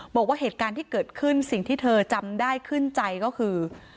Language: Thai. บอกว่าเหตุการณ์ที่เกิดขึ้นสิ่งที่เธอจำได้ขึ้นใจก็คือ